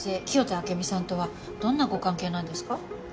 清田暁美さんとはどんなご関係なんですか？